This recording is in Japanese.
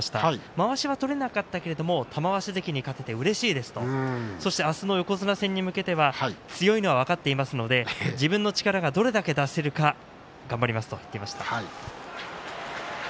まわしは取れなかったけれど玉鷲関に勝ててうれしいですとそして明日の横綱戦に向けては強いのは分かっていますので自分の力がどれだけ出せるか頑張りますと言っていました。